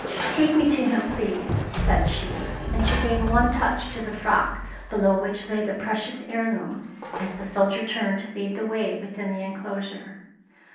" Take me to him, please," said she, and she gave one touch to the frock below which lay the precious heirloom as the soldier turned to lead the way within the enclosure.